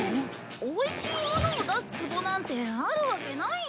おいしいものを出すツボなんてあるわけないよ。